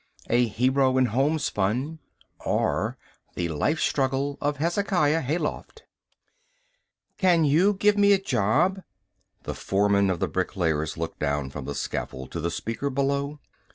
A Hero in Homespun: or, The Life Struggle of Hezekiah Hayloft "Can you give me a job?" The foreman of the bricklayers looked down from the scaffold to the speaker below.